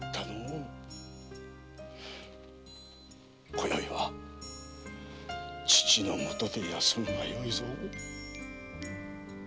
今宵は父の許で休むがよいぞ。